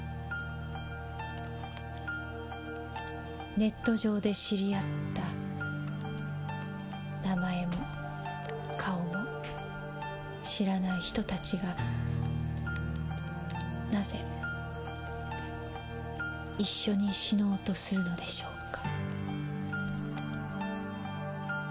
ネット上で知り合った名前も顔も知らない人たちが何故一緒に死のうとするのでしょうか？